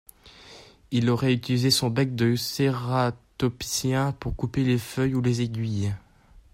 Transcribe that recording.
Il aurait utilisé son bec de cératopsien pour couper les feuilles ou les aiguilles.